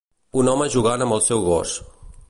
Un home jugant amb el seu gos.